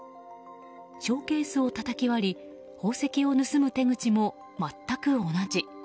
ショーケースをたたき割り宝石を盗む手口も全く同じ。